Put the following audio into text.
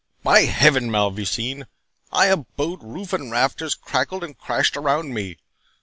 By Heaven, Malvoisin! I abode until roof and rafters crackled and crashed around me.